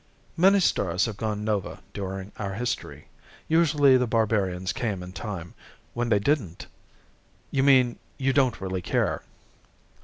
"Many stars have gone nova during our history. Usually the barbarians came in time. When they didn't " "You mean you don't really care?"